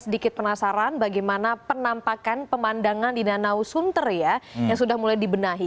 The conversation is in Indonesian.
sedikit penasaran bagaimana penampakan pemandangan di danau sunter ya yang sudah mulai dibenahi